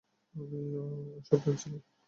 আমি অসাবধান ছিলাম।